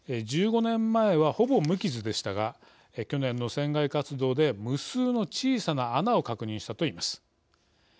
１５年前は、ほぼ無傷でしたが去年の船外活動で無数の小さな穴を確認したといいます。